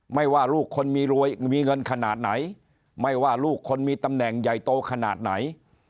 ไม่ว่าลูกคนมีรวยมีเงินขนาดไหนไม่ว่าลูกคนมีตำแหน่งใหญ่โตขนาดไหน